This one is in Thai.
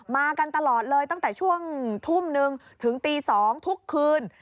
มากันตลอดเลยตั้งแต่ช่วงทุ่มนึงถึงตี๒ทุกคืน